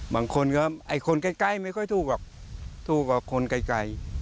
บางคนก็ไอ้คนใกล้ไม่ค่อยถูกหรอกถูกกว่าคนไกล